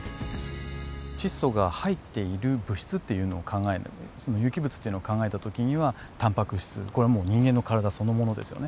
窒素が入っている物質っていうのを考える場合有機物っていうのを考えた時にはタンパク質これはもう人間の体そのものですよね。